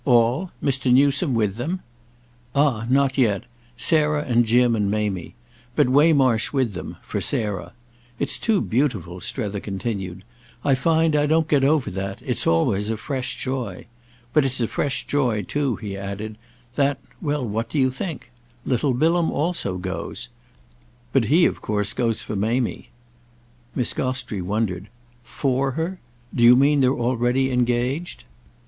"All?—Mr. Newsome with them?" "Ah not yet! Sarah and Jim and Mamie. But Waymarsh with them—for Sarah. It's too beautiful," Strether continued; "I find I don't get over that—it's always a fresh joy. But it's a fresh joy too," he added, "that—well, what do you think? Little Bilham also goes. But he of course goes for Mamie." Miss Gostrey wondered. "'For' her? Do you mean they're already engaged?"